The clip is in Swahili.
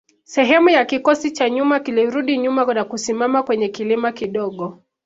Sehemu ya kikosi cha nyuma kilirudi nyuma na kusimama kwenye kilima kidogo